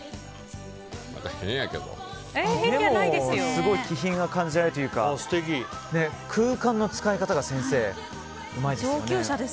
すごい気品が感じられるというか空間の使い方がうまいですよね。